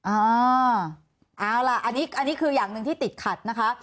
เอาล่ะอันนี้คืออย่างหนึ่งที่ติดขัดนะคะ